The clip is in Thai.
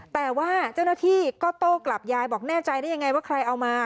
แต่ว่าเจ้าหน้าที่ก็โต้กลับยายบอกแน่ใจได้ยังไงว่าใครเอามา